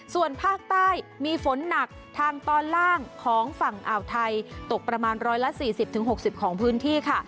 ส่วนภาคใต้มีฝนหนักทางตอนล่างของฝั่งอ่าวไทยตกประมาณ๑๔๐๖๐ของพื้นที่ค่ะ